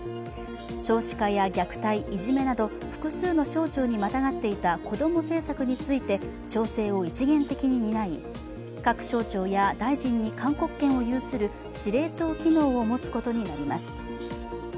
少子化や虐待、いじめなど複数の省庁にまたがっていたこども政策について、調整を一元的に担い各省庁や大臣に勧告権を有する司令塔機能を持つことになります。